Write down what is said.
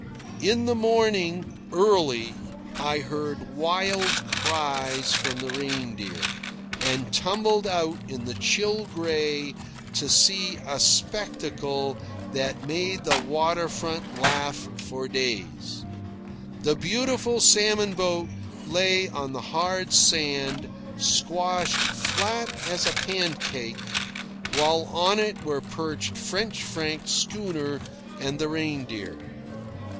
In the morning, early, I heard wild cries from the Reindeer, and tumbled out in the chill grey to see a spectacle that made the water front laugh for days. The beautiful salmon boat lay on the hard sand, squashed flat as a pancake, while on it were perched French Frank's schooner and the Reindeer.